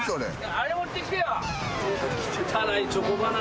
あれ持ってきてよ。